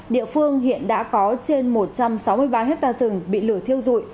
địa phương hiện đã có trên một trăm sáu mươi ba hectare rừng bị lửa thiêu dụi